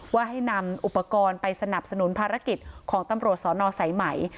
ว่าให้นำอุปกรณ์ไปสนับสนุนภารกิจของตำรวจสนสายไหม